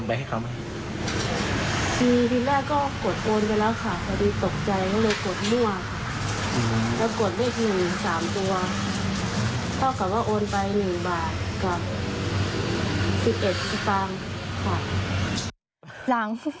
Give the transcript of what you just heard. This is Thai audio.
กด๑๑เอสตาร์